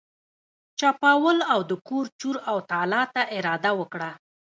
چپاول او د کور چور او تالا ته اراده وکړه.